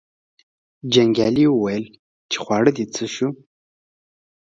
جنګیالي وویل چې خواړه دې څه شو.